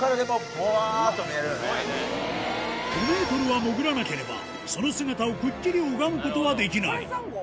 ５ｍは潜らなければその姿をくっきり拝むことはできない